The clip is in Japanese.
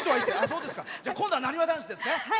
今度はなにわ男子ですね。